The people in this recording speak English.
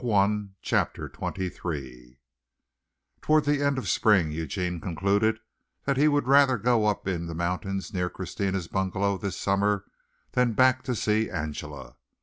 He wondered. CHAPTER XXIII Towards the end of spring Eugene concluded he would rather go up in the mountains near Christina's bungalow this summer, than back to see Angela.